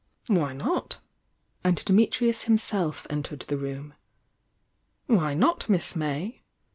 "Why not?" and Dimitrius himself entered the room. "Why not, Miss May?